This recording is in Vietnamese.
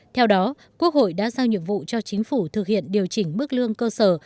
theo đó quốc hội đã giao nhiệm vụ cho chính phủ thực hiện điều chỉnh mức lương cơ sở